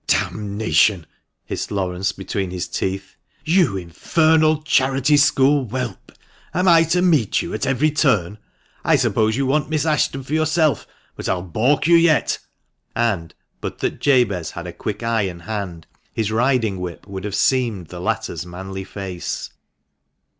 " D — nation !" hissed Laurence between his teeth. " You infernal charity school whelp ! Am I to meet you at every turn ? I suppose you want Miss Ashton for yourself, but I'll baulk you yet !" and, but that Jabez had a quick eye and hand, his riding whip would have seamed the latter's manly face.